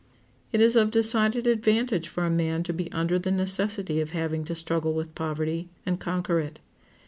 It is of decided advantage for a man to be under the necessity of having to struggle with poverty, and conquer it.